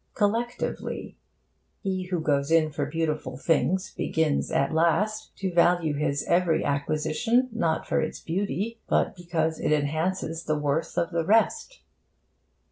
collectively. He who goes in for beautiful things begins, at last, to value his every acquisition not for its beauty, but because it enhances the worth of the rest.